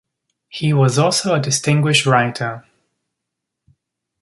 He was also a distinguished writer.